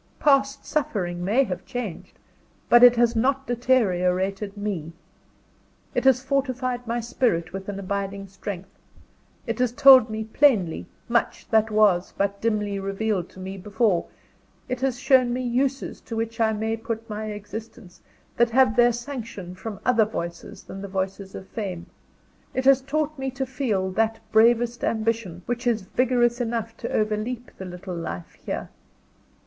Past suffering may have changed, but it has not deteriorated me. It has fortified my spirit with an abiding strength; it has told me plainly, much that was but dimly revealed to me before; it has shown me uses to which I may put my existence, that have their sanction from other voices than the voices of fame; it has taught me to feel that bravest ambition which is vigorous enough to overleap the little life here!